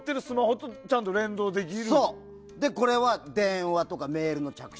で、これは電話とかメールの着信。